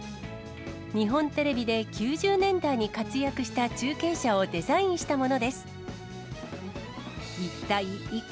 日本テレビで９０年代に活躍した中継車をデザインしたものです。